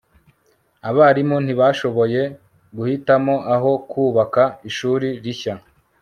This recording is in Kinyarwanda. abarimu ntibashoboye guhitamo aho bubaka ishuri rishya